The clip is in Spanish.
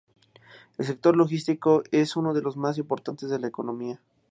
El sector logístico es uno de los más importantes de la economía.